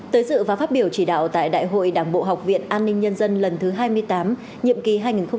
tới dự và phát biểu chỉ đạo tại đại hội đảng bộ học viện an ninh nhân dân lần thứ hai mươi tám nhiệm kỳ hai nghìn hai mươi hai nghìn hai mươi năm